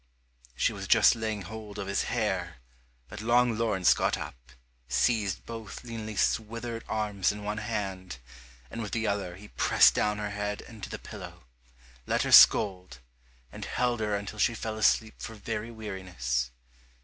She was just laying hold of his hair, but long Laurence got up, seized both Lean Lisa's withered arms in one hand, and with the other he pressed down her head into the pillow, let her scold, and held her until she fell asleep for very weariness.